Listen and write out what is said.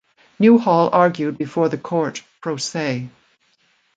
Newhall argued before the court pro se.